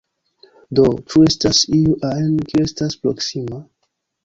Do, ĉu estas iu ajn, kiu estas proksima?